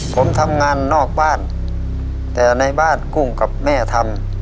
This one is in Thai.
ผมทำงานนอกบ้านแต่ในบ้านกุ้งกับแม่ทำ